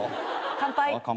乾杯。